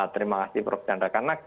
terima kasih prof chandra